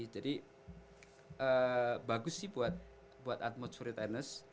jadi bagus sih buat atmosphere tenis